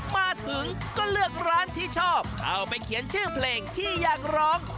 มาถึงก็เลือกร้านที่ชอบเข้าไปเขียนชื่อเพลงที่อยากร้อง